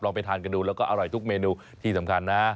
ไปทานกันดูแล้วก็อร่อยทุกเมนูที่สำคัญนะ